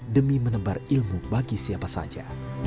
demi menebar ilmu bagi siapa saja